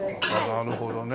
なるほどね。